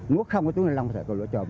nếu không có túi ni lông có thể có lựa chọn